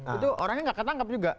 itu orangnya nggak ketangkep juga